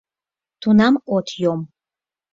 Тунам от йом.